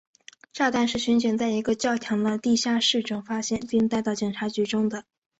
炸弹是巡警在一个教堂的地下室中发现并带到警察局中的。